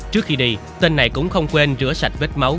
trước khi đi tên này cũng không quên rửa sạch vết máu